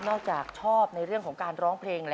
นอกจากชอบในเรื่องของการร้องเพลงนะครับ